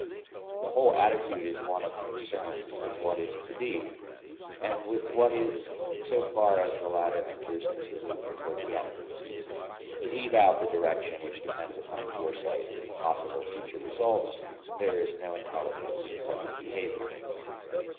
The whole attitude is one of concern with what is to be, and with what is so far as the latter enters into the movement toward the end. Leave out the direction which depends upon foresight of possible future results, and there is no intelligence in present behavior.